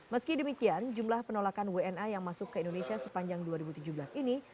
meski demikian jumlah penolakan wna yang masuk ke indonesia sepanjang dua ribu tujuh belas ini